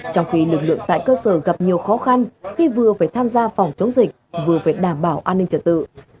trong khi lực lượng tại cơ sở gặp nhiều khó khăn khi vừa phải tham gia phòng chống dịch vừa phải đảm bảo an ninh trật tự